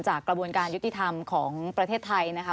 กระบวนการยุติธรรมของประเทศไทยนะคะ